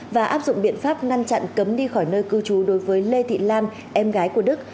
và áp dụng biện pháp ngăn chặn cấm đi khỏi nơi cư trú đối với lê thị lan em gái của đức